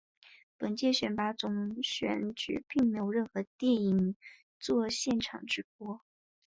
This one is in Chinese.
本届选拔总选举并没有任何电影院作现场直播。